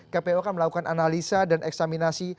kpu akan melakukan analisa dan eksaminasi